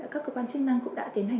các cơ quan chức năng cũng đã tiến hành